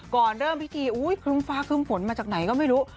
ก่อนเริ่มพิธีครึ้มฟ้าครึ่มฝนมาจากไหนก็ไม่รู้